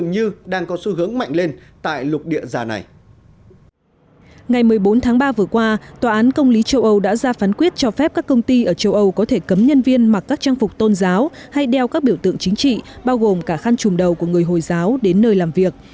ngày một mươi bốn tháng ba vừa qua tòa án công lý châu âu đã ra phán quyết cho phép các công ty ở châu âu có thể cấm nhân viên mặc các trang phục tôn giáo hay đeo các biểu tượng chính trị bao gồm cả khăn trùm đầu của người hồi giáo đến nơi làm việc